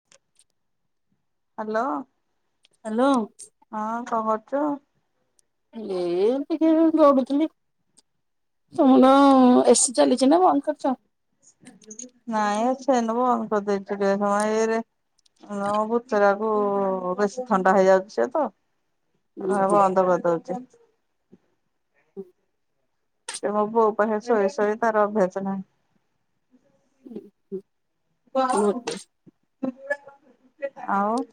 [inaudible] Hello. Hello. ହଁ କଁ କରୁଚୁ? ଏ ଏମିତି ଟିକେ ଗଡୁଥିଲି। ତମର ଏସିି ଚାଲିଚି ନା ବନ୍ଦ୍ କରିଚ? ନାଇଁ ଅଛି ସେନ ବନ୍ଦ୍ କର୍ଦେଇଚି ଟିକେ ସମୟ ଏରେ ନାବ ପୁତୁରାକୁ ବେଶୀ ଥଣ୍ଡା ହେଇଯାଉଛି ସ ତ ହ ଓହୋ। ବନ୍ଦ କରିଦଉଚି। ହୁଁ। ସେ ମୋ ପୁଅ ପାଖରେ ଶୋଇ ଶୋଇ ତାର ଅଭ୍ୟାସ ନାହିଁ। [unintelligible] ଆଉ?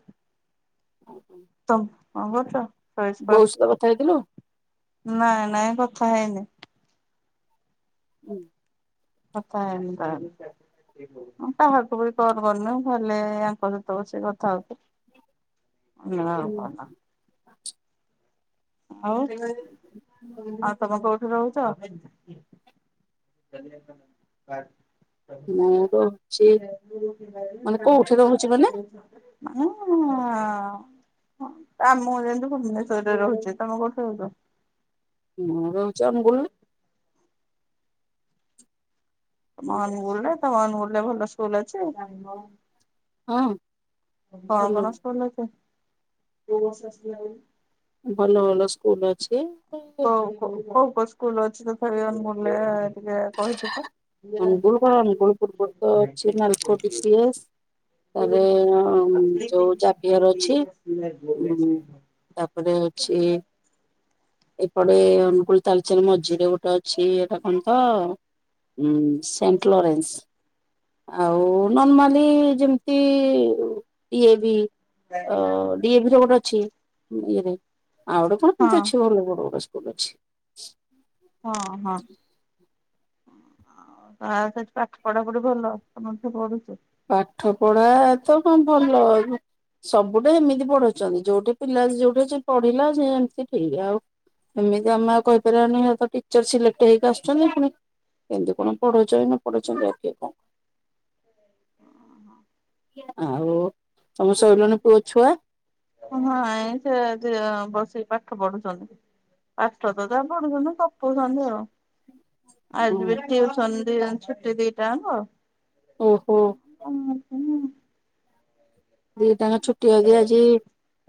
ଓହୋ। ଟମ୍ କଁ କରୁଚ? ବଉ ସହ କଥା ହେଇଥିଲୁ? ନାଇଁ ନାଇଁ କଥା ହେଇନି। ହୁଁ। କଥା ହେଇନି [unintelligible] କାହାକୁ ବି କଲ୍ କରିନୁ ଭଲେ ୟାଙ୍କ ସହିତ ବସି କଥା ହଉଥିଲି। [unintelligible] ଆଉ ଆଉ ତମ କଉ ରହୁଛ? [unintelligible] ମୁଁ ରହୁଛି ମାନେ କୋଉଠି ରହୁଛି ମାନେ ମୁଁ-ଆମ ମୁ ଯାଇ ଭୁବନେଶ୍ୱରରେ ରହୁଚି। ତମେ କଉଠୁ ରହୁଚ? ମୋର ଜମ୍ ଗୁଲ୍ ଅନୁଗୁଲ୍ ରେ ତମ ଅନୁଗୁଲ୍ ରେ ଭଲ ସ୍କୁଲ ଅଛି? ହଁ। କଁ ଭଲ ସ୍କୁଲ୍ ଅଛି? ଭଲ ଭଲ ସ୍କୁଲ୍ ଅଛି ବା କଉ କଉ କଉ କଉ ସ୍କୁଲ ଅଛି ତଥାପି ଅନମୁଲ ରେ ଟିକେ କହିଥିବ। ଅନୁଗୁଳ କଣ ଅନୁଗୁଳ ପୂର୍ବରୁ ତ ଅଛି ନାଲକୋ [unintelligible] ତାପରେ କଣ ଯୋଉ ଜାଭିଅର ଅଛି ଉଁ। ତାପରେ ଅଛି। ଏପଟେ ଅନୁଗୁଳ, ତାଳଚେର ମଝିରେ ଗୋଟେ ଅଛି ଏଟା କଣ ତ। ଉଁ ସେଣ୍ଟ ଲୋରେନ୍ସ। ଆଉ ନର୍ମାଲି ଯେମିତି ଡି ଏ ଭି। ଅ ଡି ଏ ଭି ରେ ଗୋଟେ ଅଛି ଇଏରେ। ଆଉ ଗୋଟେ କଣ ହଁ ଏମିତି ଅଛି ଭଲ ବଡ ବଡ ସ୍କୁଲ ଅଛି। ହଁ ହଁ। ଆ ସେଠି ପାଠ ପଢା ପଢି ଭଲ ତମ ଝିଅ ପଢ଼ୁଚି। ପାଠ ପଢା ତ କଣ ଭଲ ସବୁଠେ ଏମିତି ପଢଉଛନ୍ତି ଯୋଉଠି ପିଲା ଯୋଉଠି ସେ ପଢିଲା ସେ ଏମିତି ଠିକ ଆଉ। ଏମିତି ଆମେ ଆଉ କହିପାରିବାନି ଏ ତ ଟିଚର ସିଲେକ୍ଟ ହେଇକି ଆସୁଛନ୍ତି ପୁଣି। ଏମିତି କଣ ପଢ଼ଉଛନ୍ତି ନ ପଢ଼ଉଛନ୍ତି ଏ କିଏ କ ଆଉ ତମ ଶୋଇଲେଣି ପୁଅ ଛୁଆ। ହଁ ଏଇ ଛୁଆ ଝିଅ ବସିକି ପାଠ ପଢୁଛନ୍ତି। ପାଠ ତ ଯାହା ପଢୁଛନ୍ତି ଗପୁଛନ୍ତି ଆଉ। ଆଜି ବି ଟିଉସନ ଦି ଜଣ ଛୁଟି ଦିଟା ଆଙ୍କ। ଓହୋ ଓ ହୁଁ। ଦି ଟା ଆଙ୍କ ଛୁଟି [unintelligible] ଆଜି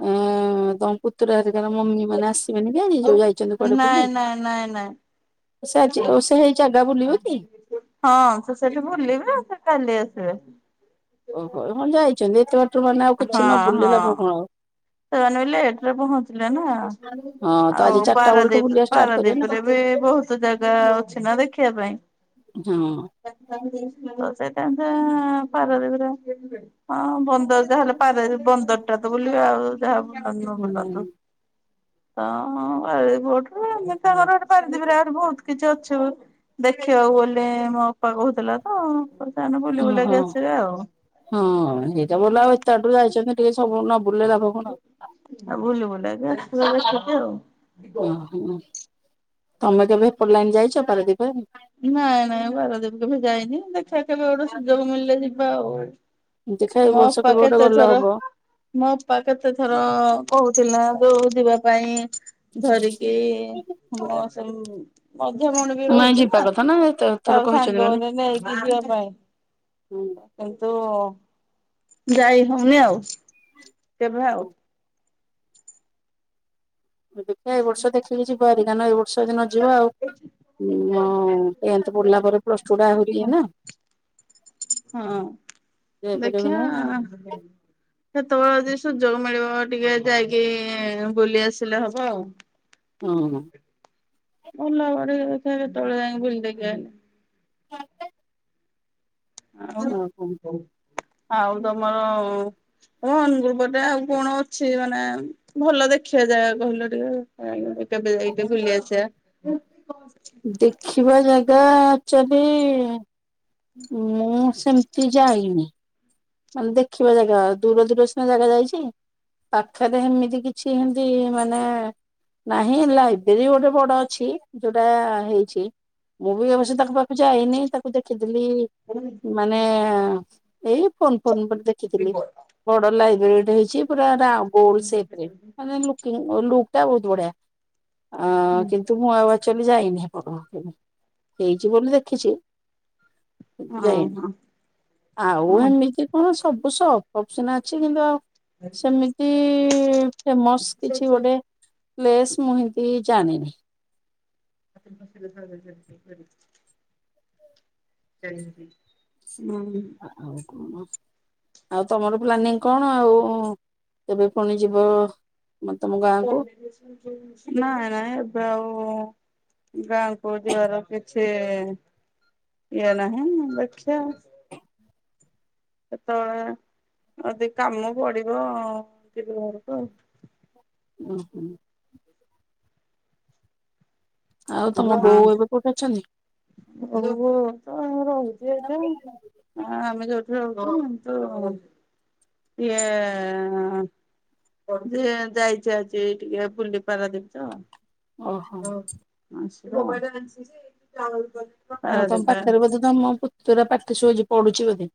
ଏଁ ତମ ପୁତୁରା ହରିକାର ମମି ମାନେ ଆସ ସିବେନି କି ଆଜି ଯୋଉ ଯାଇଛନ୍ତି କୁଆଡେ ନାଇଁ ବୁଲି। ନାଇଁ ନାଇଁ ନାଇଁ [unintelligible] ଜାଗା ବୁଲିବେ କି। ହଁ ସେ ସେଠି ବୁଲିବେ ଆଉ ସେ କାଲି ଆସିବେ। ଓହୋ ହଁ ଯାଇଛନ୍ତି ଏତେ ବାଟରୁ ମାନେ ଆଉ କିଛି ନ ହଁ ବୁଲିଲେ ହଁ ଲାଭ କଣ ଆଉ? ସେମାନେ ବି ଲେଟ୍ ରେ ପହଞ୍ଚିଲେ ନା। ହଁ ତ ଆଜି ଆଉ ଚାରିଟା ବେଳଠୁ ପାରାଦୀପ ବୁଲିବା ଷ୍ଟାର୍ଟ କରିବେ ନା ପାରାଦୀପ ରେ ବି ବହୁତ ଜାଗା ଅଛି ନା ଦେଖିବା ପାଇଁ। ହଁ। ଅ ସେଇ ଟାଇମ୍ ରେ ପାରଦୀପରେ ହଁ ବ ର ଯାହାହେଲେ ପାରାଦ୍ୱୀପ ବନ୍ଦରଟା ତ ବୁଲିବେ ଆଉ ଯାହା ବୁଲନ୍ତୁ ନ ହୁଁ। ବୁଲନ୍ତୁ। ଅଁ ପା ଏଇ ବୋଟରେ ଏମିତି ତାଙ୍କର [unintelligible] ପାରିଦିପରେ ଆହୁରି ବହୁତ କିଛି ଅଛି ଦେଖିବାକୁ ଗଲେ ମୋ ଅପା କହୁଥିଲା ତ ସେମାନେ ବୁଲି ଓହୋ ବୁଲାକି ଆସିବେ ଆଉ। ହଁ ସେଇଟା [unintelligible] ଆଉ ଏତେ ବାଟରୁ ଯାଇଛନ୍ତିି ଟିକେ ସବୁ ନ ବୁଲିଲେ ଲାଭ କଣ। ଆଉ ବୁଲି ବୁଲାକି ଆସିବେ ଦେଖିକି ଆଉ। ଓହୋ ତମେ କେବେ ଏପଟ ଲାଇନ୍‌ ଯାଇଛ ପାରାଦୀପ [unintelligible] ନାଇଁ ନାଇଁ ପାରାଦୀପ କେବେ ଯାଇନି। ଦେଖିବା କେବେ ଗୋଟେ ସୁଯୋଗ ମିଳିଲେ ଯିବା ଆଉ। ଦେଖିଆ ଏଇ ମୋ ବର୍ଷ ଅପା କେବେ ଗୋଟେ ଗଲେ କେତେଥର। ହବ। ମୋ ଅପା କେତେ ଥର କହୁଥିଲା ଯୋଉ ଯିବା ପାଇଁ। ଧରିକି ସମସ୍ତଙ୍କୁ ମଝିଆ ଭଉଣୀ ବି ରହୁଛି ନା। [unintelligible] ତା ମାନେ। ସାଙ୍ଗରେ ନେଇକି ଯିବା ପାଇଁ। କିନ୍ତୁ ଯାଇ ହଉନି ଆଉ କେବେ ଆଉ। ଦେଖିବା ଏଇ ବର୍ଷ ଦେଖିକି ଯିବା ହେରି କାହିଁକି ନା ଏଇ ବର୍ଷ ଯଦି ନ ଯିବା ଆଉ। [unintelligible] ଟେନ୍ଥ ପଢିଲା ପରେ ପ୍ଲସ୍ ଟୁ ଟା ଆହୁରି ଇଏ ନା। ହଁ ଯାଇପାରିବ କି ଦେଖିଆ। ନାହିଁ କେତେବେଳେ ଯଦି ସୁଯୋଗ ମିଳିବ ଟିକେ ଯାଇକି ବୁଲି ଆସିଲେ ହବ ଆଉ। ହଁ। ଭଲ [unintelligible] ଫେରେ କେତେବେଳେ ଯାଇକି ବୁଲି ଦେଇକି ଆଉ କଣ? ଆଉ ତମର ହଁ ଅନଗୁଳ ପଟେ ଆଉ କଣ ଅଛି ମାନେ ଭଲ ଦେଖିଆ ଜାଗା ଯାହା କହିଲ ଟିକେ। ଯାଇକି କେବେ ଯାଇ ବୁଲି ଆସିବା। ଦେଖିବା ଜାଗା ଆକଚୁଆଲି ମୁଁ ସେମତି ଯାଇନି। ମାନେ ଦେଖିବା ଜାଗା। ଦୂର ଦୂର ସିନା ଜାଗା ଯାଇଛି। ପାଖରେ ଏମିତି କିଛି ଏମତି ମାନେ ନାହିଁ। ଲାଇବ୍ରେରୀ ଗୋଟେ ବଡ ଅଛି। ଯୋଉଟା ହେଇଛି। ମୁଁ ବି ଅବଶ୍ୟ ତାଙ୍କ ପାଖକୁ ଯାଇନି। ତାକୁ ଦେଖିଥିଲି [inaudible] ମାନେ ଏଇ ଫୋନ ଫୋନ୍ ଉପ ଦେଖ ଦେଖିଥିଲି। ବଡ ଲାଇବ୍ରେରୀ ଟେ ହେଇଛି ପୁରା ଗୋଲସେଫ୍ ରେ। ଲୁକ୍ ଟା ବହୁତ ବଢିଆ। କି କିନ୍ତୁ ମୁଁ ଆଉ ଅଚୁଆଲି ଯାଇନି ହେପଟକୁ। ହେଇଛି ବୋଲି ଦେଖିଛି। ହଁ ଯାଇନି। ହଁ ଆଉ ଏମ ଏ କଣ ସବୁ ସଫ୍ ଅଫ୍ ସିନା ଅଛି କିନ୍ତୁ ଆଉ ସେମିତି ଫେମସ୍ କିଛି ଗୋଟେ ପ୍ଲେସ୍ ମୁଁ ଏମତି ଜାଣିନି। [unintelligible] [unintelligible] ହୁଁ। ଆଉ କଣ? ଆଉ ତମର ପ୍ଲାନିଂ କଣ? ଆଉ କେବେ ପୁଣି ଯିବ? ତମ ଗାଁକୁ? ନାଇଁ ନାଇଁ ଏବେ ଆଉ ଗାଁ କୁ ଯିବାର କିଛି ଇଏ ନାହିଁ। ଦେଖିଆ। ସେତେବେଳେ ଯଦି କାମ ପଡିବ, ଯିବି ଘରକୁ ଆଉ। ଓହୋ। ଆଉ ତମ ବୋଉ ଏବେ କୋଉଠି ଅଛନ୍ତି। ହ ତ ରହୁଛି ଏଇଠେ। ଆ ଆମେ ଯୋଉଠି ରହୁଚୁ। ହ ତୁ ଇଏ ଯେ ଯାଇଛି ଆଜି ଟିକେ ବୁଲି ପାରାଦୀପ ତ। ଓହୋ। [unintelligible] ଆଉ ତମ ପାଖରେ ବୋଧେ ତମ ପୁତୁର ପାଟି ଶୁଭୁଚି, ପଢୁଛି ବୋଧେ।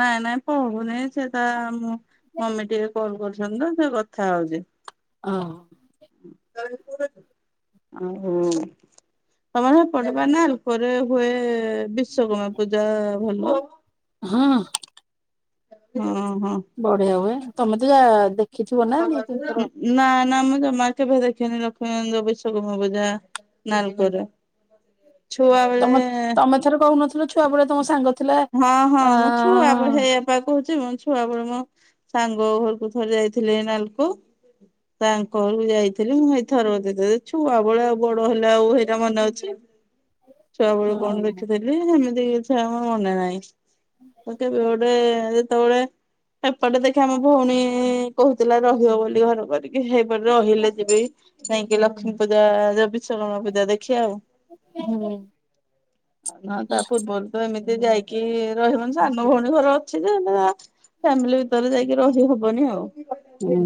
ନାଇଁ ନାଇଁ ପଢୁନି। ସେତା ମମି ଟିକେ କଲ୍ କରୁଛନ୍ତି ତ, ସେ କଥା ହଉଛି। ଓହ। କଣ ପୁର ଓହୋ। ତମର ହେପଟେ ପା ନାଲକୋ ରେ ହୁଏ ବିଶ୍ଵକର୍ମା ପୂଜା ଭଲ। ହଁ। ହଁ ହଁ। ବଢିଆ ହୁଏ। ତମେ ତ ଯା ଦେଖ ଭଲ ଅଛ ତ ନା ନା ମୁଁ ଜମା କେବେ ଦେଖେିନି ଲକ୍ଷ୍ମୀନ୍ଦ ବିଶଗ ପୂଜା ନାଲକୋର। ମୁଁ ବସିଛି ଏବେ। ତୋମେ ତୋମେ ଥରେ କହୁନଥିଲ ଛୁଆବେଳେ ତୋମ ସାଙ୍ଗ ଥିଲା ହଁ, ହଁ ଅ ମୁଁ ଛୁଆ ପ- ହେ ଛୁଆ କହୁଛି ମୋ ଛୁଆ ବେଳେ ମୋ ସାଙ୍ଗ ଘରକୁ ଥରେ ଯାଇଥିଲି ଏ ନାଲକୋ। ତାଙ୍କ ଘରକୁ ଯାଇଥିଲି ମୁଁ ହେଇଥର [unintelligible] ଛୁଆ ବଳେ ଆଉ ବଡ ହେଲେ ଆଉ ହେଇଟା ମନେ ଅଛି। ଛୁଆ ବେଳୁ କଣ ହୁଁ ଦେଖିଥିଲି ସେମିତି କିଛି ଆଉ ମୋର ମନେ ନାହିଁ। ମୋତେ ବେଡେ ଯେତବେଳେ ଏପଟେ ଦେଖ ଆମ ଭଉଣୀ କହୁଥିଲା ରହିବ ବୋଲି ଘର କରିକି ସେଇପଟେ ରହିଲେ ଯିବି। ଯାଇକି ଲକ୍ଷ୍ମୀ ପୂଜା ଯେ ବିଶ୍ୱକର୍ମା ପୂଜା ଦେଖିବା ଆଉ। ହୁଁ ଆଉ ନହନ ତାପୂର୍ବରୁ ତ ଏମି ସେ ଯାଇକି ରହିବନି ସାନ ଭଉଣୀ ଘର ଅଛି ଯେ [unintelligible] ଫ୍ୟାମିଲି ଭିତରେ ଯାଇକି ରହି ହବନି ଆଉ। ଉଁ,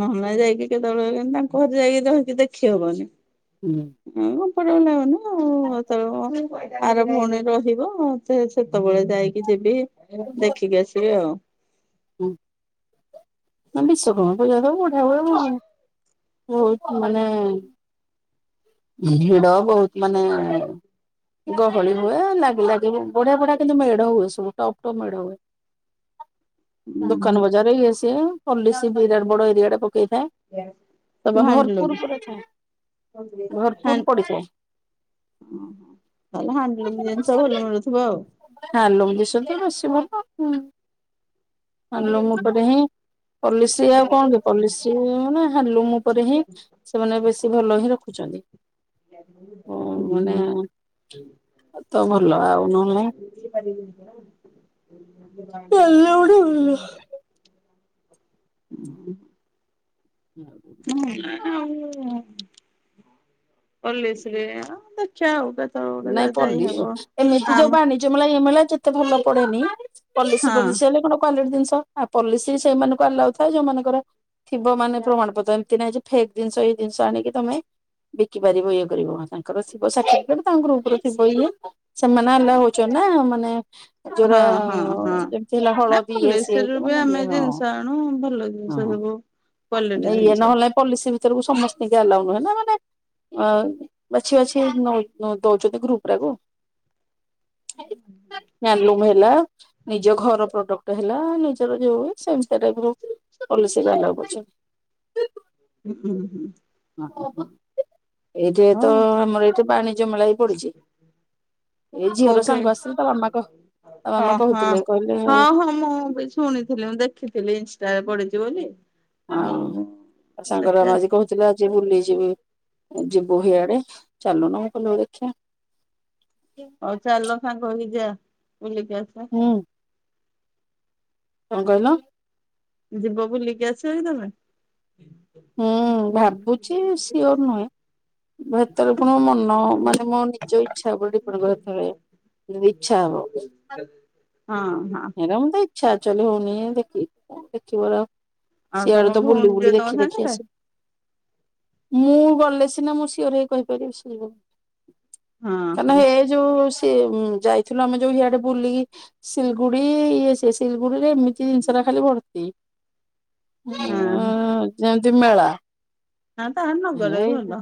ନହନେ ଯାଇକି କେତେବେଳେ କେ ତାଙ୍କ ଘରେ ଯାଇକି ରହିକି ଦେଖିହବନି। ହୁଁ। [unintelligible] ଆର ଭଉଣୀ ରହିବ। ସେ ସେତବେଳେ ଯାଇକି ଯିବି ଦେଖିକି ଆସିବି ଆଉ। ହଁ ନା ବିଶ୍ଵକର୍ମା ପୂଜା ତ [unintelligible] କି ବହୁ [inaudible] ମାନେ ଭିଡ ବହୁତ ମାନେ ଗହଳି ହୁଏ। ଲାଗି ଲାଗି ବଢିଆ ବଢିଆ କିନ୍ତୁ ମେଢ ହୁଏ, ସବୁ ଟପ୍ ଟପ୍ ମେଢ ହୁଏ। ହୁଁ ଦୋକାନ ବଜାର ଇଏ ସିଏ ପଲିସି ବିରାଟ ବଡ ଏରିଆରେ ପକେଇ ସବୁ ଥାଏ। ହାଣ୍ଡଲୁମ୍ ଭରପୁର ପୁରା ଥାଏ। ଭରପୁର ପଡିଥାଏ। ଓହୋ, [unintelligible] ହାଣ୍ଡଲୁମ୍ ଜିନିଷ ଭଲ ମିଳୁଥିବ ଆଉ। ହାଲୁମ ଜିଷ ତ ବେଶୀ ଭଲ। ଉଁ, ହାଲୁମ ଉପରେ ହିଁ ପଲିସି ଆଉ କଣ କି? ପଲିସି ମାନେ ହାଲୁମ ଉପରେ ହିଁ ସେମାନେ ବେଶୀ ଭଲ ହିଁ ରଖୁଛନ୍ତି। ଓ ହୁଁ ମାନେ ଆଉ ତ ଭଲ ଆଉ ନହେଲେ [unintelligible] [unintelligible] ହଁ ଅନଲାଇନ୍ ଆଉ ପଲିସି ରେ ଆ, ଦେ ଖିଆ ଆଉ କେ ନାଇ ପଲିସି ର ଏମିତି ଯୋଉ ବାଣି ଯେ ମେଳା ଏ ମେଳା ଯେତେ ଭଲ ପଡେନି ପଲିସି ହଁ ପଲିସି ହେଲେ କଣ କ୍ବାଲିଟି ଜିନିଷ ଆ, ପଲିସି ସେଇମାନଙ୍କୁ ଆଲାଉ ଥାଏ ଯୋଉମାନଙ୍କର ଥିବ ମାନେ ପ୍ରମାଣ ପତ୍ର ଏମିତି ନାହିଁ ଯେ ଫେକ୍ ଜିନିଷ ଏଇ ଜିନିଷ ଆଣିକି ତୋମେ ବିକି ପାରିବ ଇଏ କରିବ ତାଙ୍କର ଥିବ ସାଟିଫିକେଟ୍। ତାଙ୍କ ଗ୍ରୁପ୍ ରେ ଥିବ ଇଏ ସେମାନେ ଆଲାଓ ହଉଚନ୍ ନା ମାନେ ହଁ, ଯୋଉରା ହଁ, ହଁ ଯେମିତି ହେଲା ନା ହଳଦୀ ଇଏ ସିଏ ପଲିସୀ ରୁ ବି ମାନେ ଆମେ ଇଏ ହଁ ଜିନିଷ ଆଣୁ ଭଲ ହଁ ଜିନିଷ ସବୁ। ମାନେ କ୍ବାଲିଟି ଜିନି ଇଏ ନହେଲେ ପଲିସି ଭିତରକୁ ସମସ୍ତିଙ୍କି ଏଲାଉ ନୁହେଁ ନା ମାନେ ଅ, ବାଛି ବାଛି ନଇ ନ ଦଉଛନ୍ତି ଗ୍ରୁପ୍ ଗୁରାକୁ ହ୍ୟାଲୁମ୍ ହେଲା। ନିଜ ଘର ପ୍ରଡକ୍ଟ ହେଲା, ନିଜର ଯୋଉ ହୁଏ ସେମତିଆ ଟାଇପ୍ ର ପଲିସି ର ଆଲାଉ କରୁଛନ୍ତି। [inaudible] ଉୁଁ ହୁଁ ହୁଁ। ହଁ ବହୁତ ଏଇଠିତ ହଉ ଆମର ଏଇଠି ପାଣି ଜମିଲା ହେଇ ପଡିଛି। ଏଇ ଝିଅର କୋଉଠି ସାଙ୍ଗ ଆସିଥିଲେ ତା ମାମା କ ତା ହଁ ମାମା ହଁ। କହୁଥିଲେ କହିଲେ ଆଉ। ହଁ ହଁ ମୁଁ ବି ଶୁଣିଥିଲି ମୁଁ ଦେଖିଥିଲି ଇନଷ୍ଟାରେ ପଡିଚି ବୋଲି। ହଁ ଆଉ ତାର ସାଙ୍ଗର ଦେଖିବା ଆଜି କହୁଛି। ଚାଲ ଆଜି ବୁଲିଯିବେ ଯିବୁ ହିଆଡେ ଚାଲୁନ ମୁଁ କହିଲି ହୋଉ ଦେଖିଆ। ହଉ ଚାଲ ସାଙ୍ଗ ହେଇକି ଯିବା ବୁଲିକି ଆସିଵା। ଉୁଁ। କଣ କହିଲ? ଯିବ ବୁଲିକିଆସିବକି ତମେ। ହଁ ଭାବୁଛି ସିଓର ନୁହେଁ। [unintelligible] ପୁଣି ମୋ ମନ ମାନେ ମୋ ନିଜ ଇଛା ଉପରେ ଡିପେଣ୍ଟେ କରେ ଫେରେ। ଯେବେ ଇଛା ହବ। ଚାଲେ ହଁ ହଁ। ହେରା ମୋତେ ଇଚ୍ଛା ଆକ୍ଚୁଆଲି ହଉନି ଦେଖିକି କଣ ଦେଖିବ ଆଉ। ଆଉ ତମ ସିଆଡୁତ ବୁଲି ଭଉଣୀ ଯିବେ ବୁଲି ତମ ଦେଖି ଦେଖି ସାଙ୍ଗରେ ଆସିବୁ। ମୁଁ ଗଲେ ସିନା ମୁଁ ସିଓର ହେଇ କହିପାରିବି ସିଏ ବୋଲି। ହଁ ମାନେ ହଁ ହେ ଯୋଉ ସେ ଯାଇଥିଲୁ ଆମେ ଯୋଉ ହିଆଡେ ବୁଲିକି ସୀଲକ। ଗୁଡି ଇଏ ସିଏ ସିଲଗୁଡିରେ ଏମିତି ଜିନିଷ ଖାଲି ଭର୍ତି। ହାଁ ହୁଁ। ହଁ ଯେମିତି ମେଳା ତାହେଲେ ନଗଲେ ବି ଭଲ। [unintelligible]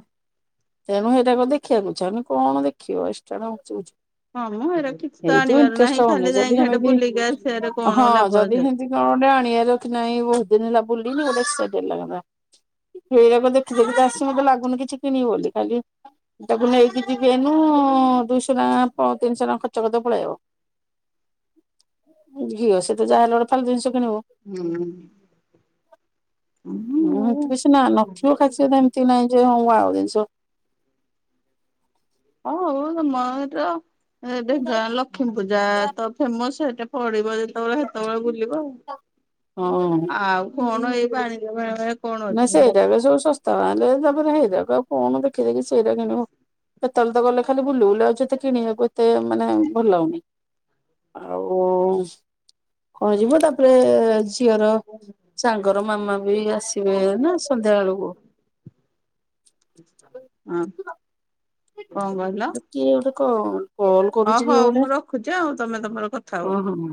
ତେଣୁ ହେଟା କୁ ଦେଖିବାକୁଇଛାହ ଉନି କଣ ଦେଖିବ ଏଷ୍ଟ୍ରା ଟା ନୁଚଉଛୁ। ହଁ ମୁଁ ହେରା କିଛିତ ଆଣିିବାର ନାହିଁ ଖାଲି ଯାଇକି ହେଟି ହିଁ ହଁ ଜଦି ହେମିତି [unintelligible] ହେରାକ ଦେଖି ଦେଖି ଆସି ମତେ ଲାଗୁନି କିଛି କିଣିବ ବୋଲି ଖାଲି। ତାକୁ ନେଇକି ଯିବି ଏଇନୁ ଦୁଇଶହ ଟଙ୍କା ତିନିଶହ ଟଙ୍କା ଖର୍ଚ୍ଚ କରିଦେବ ପଳେଇବ। ଝିଅ ସେତ ଯାହେଲେ ଗୋଟେ ତାର ଜିନିଷ କିଣିବ। ହୁଁ। ଉୁଁ କିଛିନା ନଥିବ ଖାଲି ସିଏତ ଏମିତି ନାଇଁଯେ ହଁ ମୁଁ ଆଉ ଜିନିଷ। ହଁ ହଉତ ମୋର ଏବେ ଗାଲ। ଲଷ୍ମୀପୂଜାତ ଫେମସ ଏଟା ପଡିବ ଯେତେବେଳେ ସେତେବେଳେ ବୁଲିବ ଆଉ। ହଁ ଆଉ କଣ ଏଇ ବାଣିିଜ ମେଳା ଫେଳାକୁ? ନାଇଁ ସେଇରାକ ସବୁ ସସ୍ଥାମାଲେ ସବୁ ହେଇରାକ ଆଉ କଣ ଦେଖି ଦେଖି ସେଇରା କିଣିବୁ। ତମେତ ଗଲେ ଖାଲି ବୁଲି ବୁଲି ଆଉଚ ଏତେ କିଣିବାବୁ ଏତେ ମାନେ ଭଲ ଲାଗୁନି। ଆଉ କରିବ ତାପରେ ଝି ଝିଅର ସାଙ୍ଗର ମାମାବି ଆସିବେନା ସନ୍ଧ୍ୟା ବେଳକୁ। ହଁ କଣ କହିଲ? କିଏ ଗୋଟେ କଣ କଲ ହ କରୁଛି କିଏ ହଉ ଗୋଟେ ମୁଁ ରଖୁଛି ଆଉ ତମେ ତମର କଥା ହୁଅ। ହଁ ହଁ।